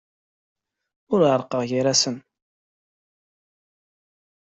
Ur ɛerrqeɣ gar-asent.